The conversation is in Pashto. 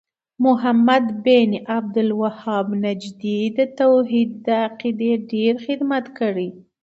محمد بن عبد الوهاب نجدي د توحيد د عقيدې ډير خدمت کړی